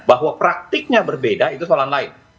bahwa praktiknya berbeda itu soalan lain